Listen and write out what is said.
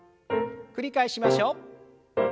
繰り返しましょう。